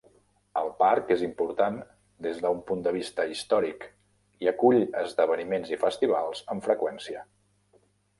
El parc és important des d'un punt de vista històric i acull esdeveniments i festivals amb freqüència.